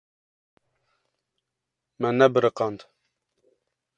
Me nebiriqand.